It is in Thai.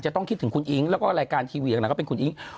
ต้องคิดถึงคุณอิ๊งแล้วก็รายการทีวีอย่างนั้นก็เป็นคุณอิ๊ง